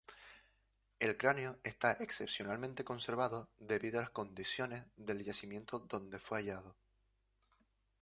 El cráneo está excepcionalmente conservado debido a las condiciones del yacimiento donde fue hallado.